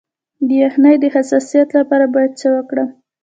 د یخنۍ د حساسیت لپاره باید څه وکړم؟